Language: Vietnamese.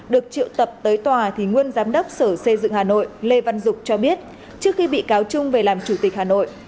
được triệu tập tới tòa thì nguyên giám đốc sở xây dựng hà nội lê văn dục cho biết trước khi bị cáo trung về làm chủ tịch hà nội